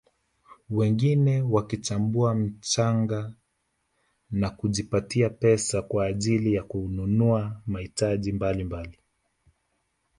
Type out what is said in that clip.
Wengine wakichambua mchanga na kujipatia pesa kwa ajili ya kununua mahitaji mbalimbali